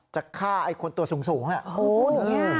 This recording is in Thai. จะฆ่าไอ้คนตัวสูงนึง